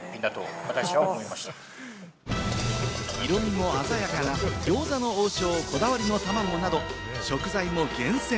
色鮮やかな餃子の王将こだわりの卵など食材も厳選。